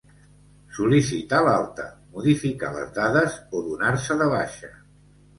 Sol·licitar l'alta, modificar les dades o donar-se de baixa.